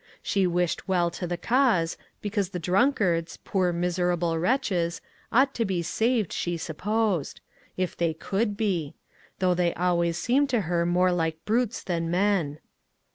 She wished well to the cause, because the drunkards — poor miserable wretches — ought to be saved, she supposed, if they could be — though they always seemed to her more like brutes than men.